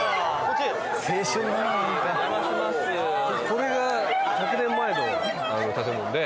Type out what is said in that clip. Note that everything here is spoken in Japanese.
これが１００年前の建物で。